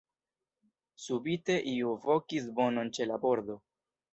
Subite iu vokis bonon ĉe la bordo.